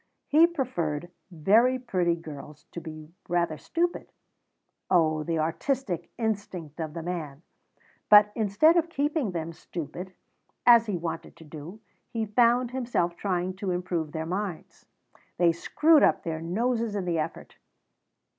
He preferred very pretty girls to be rather stupid (oh, the artistic instinct of the man!), but instead of keeping them stupid, as he wanted to do, he found himself trying to improve their minds. They screwed up their noses in the effort.